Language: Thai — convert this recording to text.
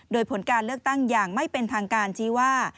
โดยผลการเลือกตั้งอย่างไม่เป็นทางการชี้ว่า